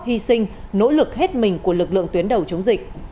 hy sinh nỗ lực hết mình của lực lượng tuyến đầu chống dịch